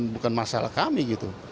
bukan masalah kami gitu